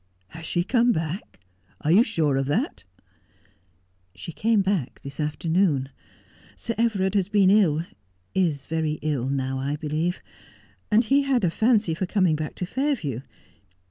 ' Has she come back 1 Are you sure of that 1 ' i She came back this afternoon. Sir Everard has been ill — is very ill now, I believe — and he had a fancy for coming back to Fairview.